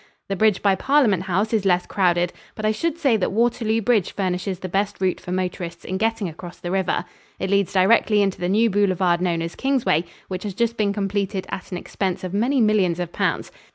The bridge by Parliament House is less crowded, but I should say that Waterloo Bridge furnishes the best route for motorists in getting across the river. It leads directly into the new boulevard known as Kingsway, which has just been completed at an expense of many millions of pounds.